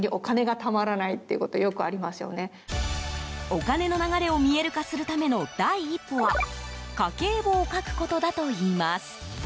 お金の流れを見える化するための第一歩は家計簿を書くことだといいます。